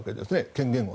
権限を。